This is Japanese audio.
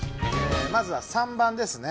まずは３番ですね